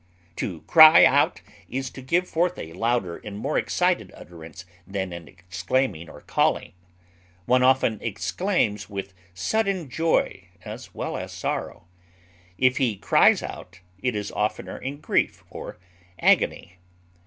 To cry out is to give forth a louder and more excited utterance than in exclaiming or calling; one often exclaims with sudden joy as well as sorrow; if he cries out, it is oftener in grief or agony.